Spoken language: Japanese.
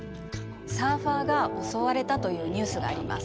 サーファーが襲われたというニュースがあります。